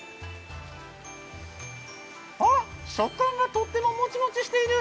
あ、食感がとってももちもちしている！